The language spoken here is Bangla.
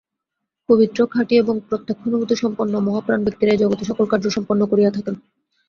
পবিত্র, খাঁটি এবং প্রত্যক্ষানুভূতিসম্পন্ন মহাপ্রাণ ব্যক্তিরাই জগতে সকল কার্য সম্পন্ন করিয়া থাকেন।